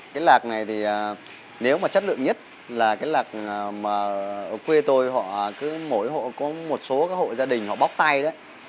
cái lạc này thì nếu mà chất lượng nhất là cái lạc mà ở quê tôi họ cứ mỗi hộ có một số hộ gia đình họ bóc tay đấy